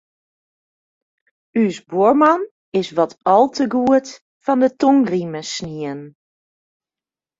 Us buorman is wat al te goed fan 'e tongrieme snien.